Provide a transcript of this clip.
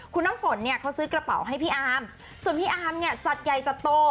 คุณน้ำฝนเขาซื้อกระเป๋าให้พี่อามส่วนพี่อามจัดใหญ่จัดโต